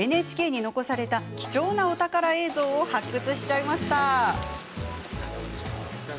ＮＨＫに残された貴重なお宝映像を発掘しちゃいました。